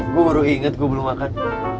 gue baru inget gue belum makan